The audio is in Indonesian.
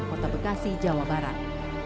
kota bekasi jawa barat